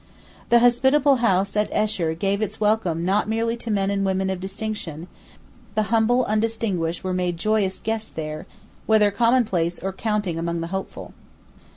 The hospitable house at Esher gave its welcome not merely to men and women of distinction; the humble undistinguished were made joyous guests there, whether commonplace or counting among the hopeful.